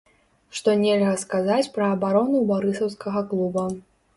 Што нельга сказаць пра абарону барысаўскага клуба.